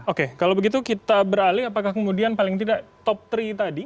oke kalau begitu kita beralih apakah kemudian paling tidak top tiga tadi